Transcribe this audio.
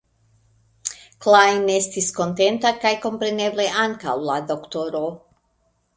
Klajn estis kontenta kaj kompreneble ankaŭ la doktoro.